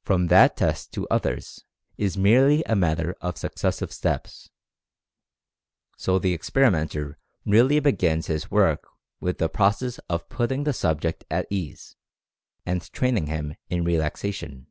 From that test to others, it is merely a matter of suc cessive steps. So the experimenter really begins his work with the process of "putting the subject at ease," and training him in relaxation.